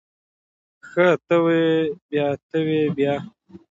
ښه ته ووی بيا ته وی بيا.